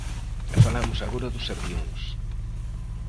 E falamos agora dos avións.